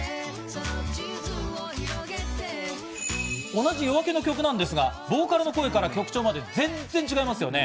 同じＹＯＡＫＥの曲なんですが、ボーカルの声から曲調まで全然違いますよね。